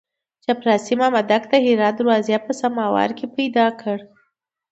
چپړاسي مامدک د هرات دروازې په سماوار کې پیدا کړ.